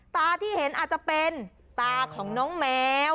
ตาที่เห็นอาจจะเป็นตาของน้องแมว